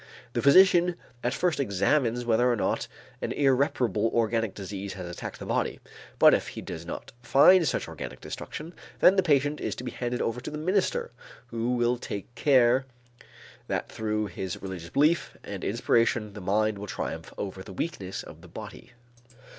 The physician at first examines whether or not an irreparable organic disease has attacked the body, but if he does not find such organic destruction, then the patient is to be handed over to the minister, who will take care that through his religious belief and inspiration the mind will triumph over the weakness of the body.